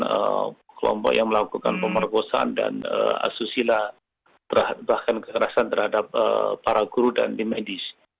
ada kelompok yang melakukan pemerkosaan dan asusila bahkan kekerasan terhadap para guru dan tim medis